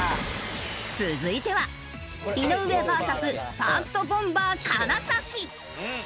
続いては井上バーサスファーストボンバー金指。